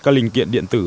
các linh kiện điện tử